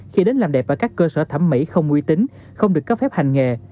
khi đến làm đẹp ở các cơ sở thẩm mỹ không uy tín không được cấp phép hành nghề